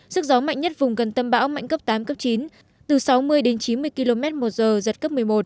sức gió mạnh nhất vùng gần tâm bão mạnh cấp tám cấp chín từ sáu mươi đến chín mươi km một giờ giật cấp một mươi một